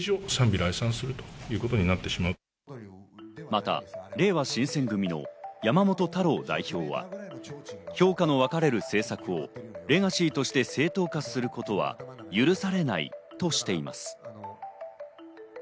また、れいわ新選組の山本太郎代表は、評価の分かれる政策をレガシーとして正当化することは許されないとしています。